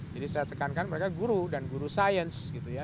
jadi saya tekankan mereka guru dan guru sains gitu ya